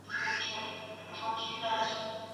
د قصاص په صورت کي د ژوند حق اخیستل کېږي.